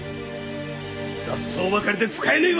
雑草ばかりで使えねえわ！